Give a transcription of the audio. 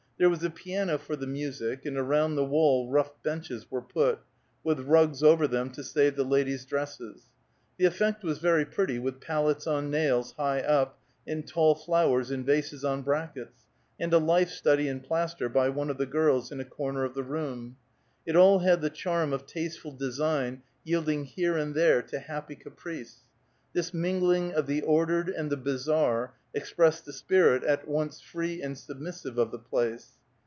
There was a piano for the music, and around the wall rough benches were put, with rugs over them to save the ladies' dresses. The effect was very pretty, with palettes on nails, high up, and tall flowers in vases on brackets, and a life study in plaster by one of the girls, in a corner of the room. It all had the charm of tasteful design yielding here and there to happy caprice; this mingling of the ordered and the bizarre, expressed the spirit, at once free and submissive, of the place.